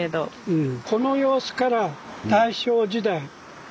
うん。